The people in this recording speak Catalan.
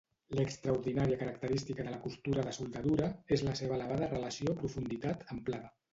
L'extraordinària característica de la costura de soldadura és la seva elevada relació profunditat-amplada.